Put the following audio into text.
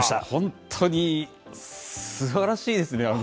本当にすばらしいですね。